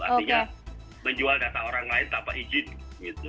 artinya menjual data orang lain tanpa izin gitu